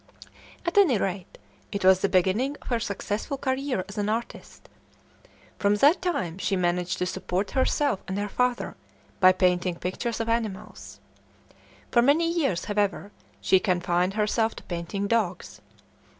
At any rate, it was the beginning of her successful career as an artist. From that time she managed to support herself and her father by painting pictures of animals. For many years, however, she confined herself to painting dogs.